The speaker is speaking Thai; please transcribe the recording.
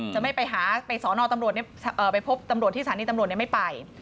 จะไม่ไปหาไปสอนอตำรวจไปพบตำรวจที่สถานีตำรวจไม่ไป